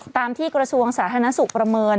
ตามที่กระทรวงสาธารณสุขประเมิน